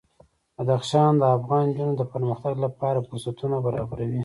بدخشان د افغان نجونو د پرمختګ لپاره فرصتونه برابروي.